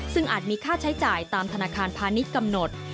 ซึ่งอาจมีค่าใช้จ่ายตามธนาคารพาณิชย์กำหนด